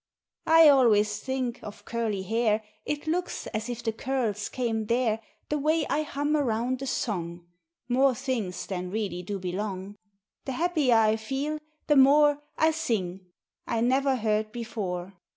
I always think, of Curly Hair, It looks as if the Curls came there The way I hum around a song More things than really do belong. The happier I feel, the more I sing, I never heard before!